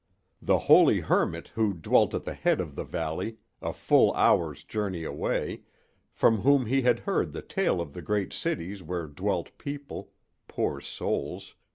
The holy hermit who dwelt at the head of the valley, a full hour's journey away, from whom he had heard the tale of the great cities where dwelt people—poor souls!